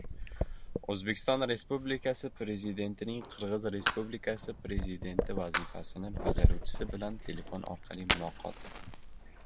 O‘zbekiston Respublikasi Prezidentining Qirg‘iz Respublikasi Prezidenti vazifasini bajaruvchisi bilan telefon orqali muloqoti